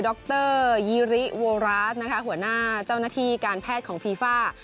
ดรยีริโวราสนะคะหัวหน้าเจ้าหน้าที่การแพทย์ของฟีฟ่า